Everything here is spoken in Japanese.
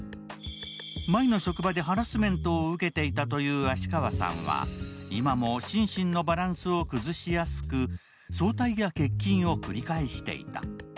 前の職場でハラスメントを受けていたという芦川さんは、今も心身のバランスを崩しやすく、早退や欠勤を繰り返していた。